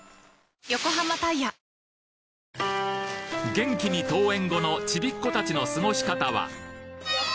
元気に登園後のちびっ子たちの過ごし方は？